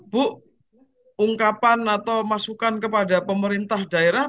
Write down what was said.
bu ungkapan atau masukan kepada pemerintah daerah